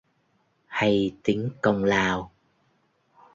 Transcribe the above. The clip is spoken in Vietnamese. Hay tính công lao